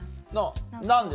何で？